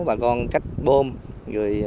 bà con cách bôm rồi